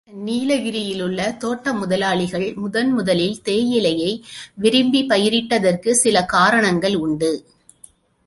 நீலகிரியிலுள்ள தோட்ட முதலாளிகள் முதன் முதலில் தேயிலையை விரும்பிப் பயிரிட்டதற்குச் சில காரணங்கள் உண்டு.